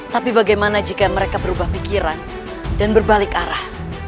tapi bagaimana jika mereka berubah pikiran dan berbalik arah